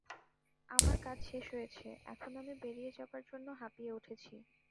আমার কাজ শেষ হয়েছে, এখন আমি বেরিয়ে যাবার জন্য হাঁপিয়ে উঠেছি।